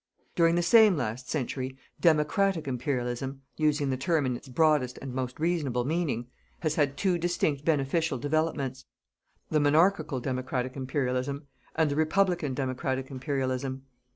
During the same last century, Democratic Imperialism using the term in its broadest and most reasonable meaning has had two distinct beneficial developments: the Monarchical Democratic Imperialism, and the Republican Democratic Imperialism.